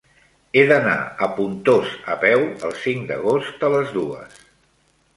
He d'anar a Pontós a peu el cinc d'agost a les dues.